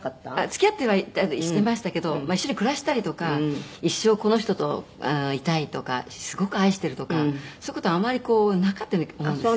「付き合ったりしていましたけど一緒に暮らしたりとか一生この人といたいとかすごく愛しているとかそういう事あまりなかったように思うんですよ」